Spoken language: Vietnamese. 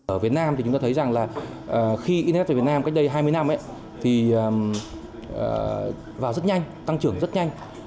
ở việt nam thì chúng ta thấy rằng là khi internet về việt nam cách đây hai mươi năm thì vào rất nhanh tăng trưởng rất nhanh